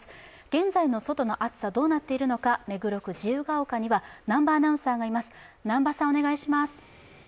現在の外の暑さ、どうなっているのか目黒区自由が丘には南波アナウンサーがいます。